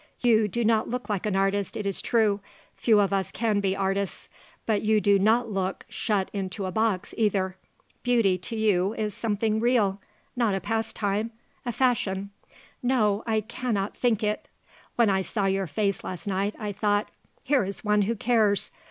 "You do not look like an artist, it is true; few of us can be artists; but you do not look shut into a box, either. Beauty, to you, is something real; not a pastime, a fashion; no, I cannot think it. When I saw your face last night I thought: Here is one who cares.